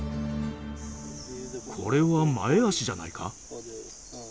これは前足じゃないか？